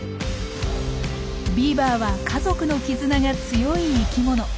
ビーバーは家族の絆が強い生きもの。